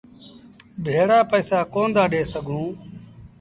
ڀيڙآ پئيٚسآ ڪونا دآ ڏي سگھون۔